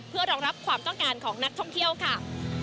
เพื่อรองรับความต้องการของนักท่องเที่ยวค่ะ